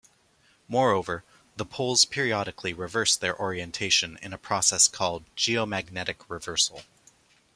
Moreover, the poles periodically reverse their orientation in a process called geomagnetic reversal.